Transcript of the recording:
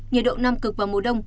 nhiệt độ nam cực vào mùa đông